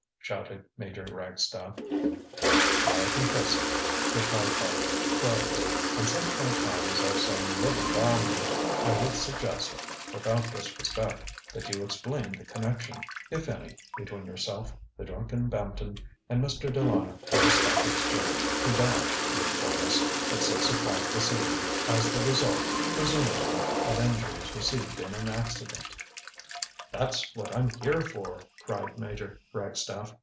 ŌĆØ shouted Major Ragstaff. ŌĆ£I confess it, ŌĆØ replied Harley quietly; ŌĆ£and since my time is of some little value I would suggest, without disrespect, that you explain the connection, if any, between yourself, the drunken Bampton, and Mr. De Lana, of the Stock Exchange, who died, you inform us, at six o'clock this evening as the result, presumably, of injuries received in an accident. ŌĆØ ŌĆ£That's what I'm here for! ŌĆØ cried Major Ragstaff.